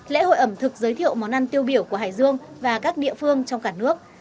lễ hội ẩm thực giới thiệu món ăn tiêu biểu của hải dương và các địa phương trong cả nước